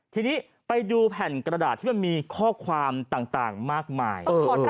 ทีนี้ไปดูแผ่นกระดาษที่มันมีข้อความต่างมากมาย